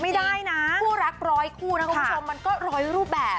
ไม่ได้นะคู่รักร้อยคู่นะคุณผู้ชมมันก็ร้อยรูปแบบ